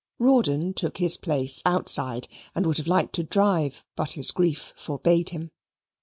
Rawdon took his place outside, and would have liked to drive, but his grief forbade him.